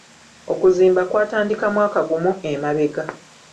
Okuzimba kwatandika mwaka gumu emabega.